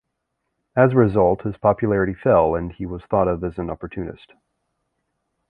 As a result, his popularity fell and he was thought of as an opportunist.